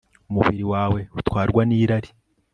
umubiri wawe utwarwa n'irari